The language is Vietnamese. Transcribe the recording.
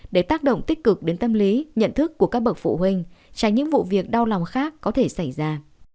để tác động tích cực đến tâm lý nhận thức của các bậc phụ huynh tránh những vụ việc đau lòng khác có thể xảy ra